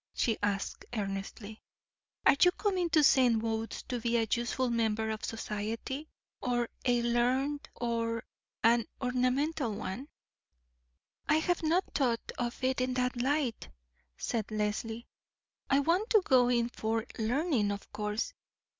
she asked earnestly. "Are you coming to St. Wode's to be a useful member of society, or a learned, or an ornamental one?" "I have not thought of it in that light," said Leslie. "I want to go in for learning, of course.